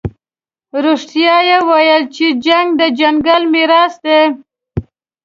رښتیا یې ویلي چې جنګ د ځنګل میراث دی.